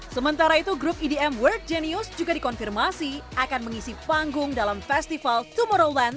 sementara itu grup edm world genius juga dikonfirmasi akan mengisi panggung dalam festival tomorrowland